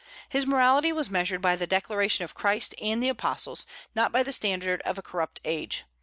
His morality was measured by the declaration of Christ and the Apostles, not by the standard of a corrupt age.